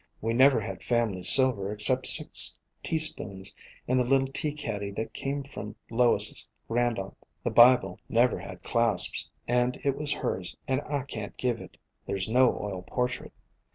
"We never had family silver except six teaspoons and the little tea caddy that came from Lois' grandaunt. The Bible never had clasps, and it was hers and I can't give it; there 's no oil por trait.